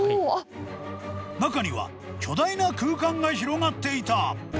中には、巨大な空間が広がっていた。